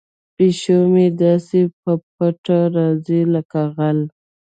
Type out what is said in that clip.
پیشو مې داسې په پټه راځي لکه غل.